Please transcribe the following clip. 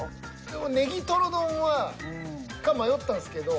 でもねぎとろ丼はか迷ったんすけど。